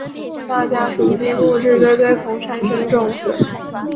大家熟悉木质锥锥孔产生种子。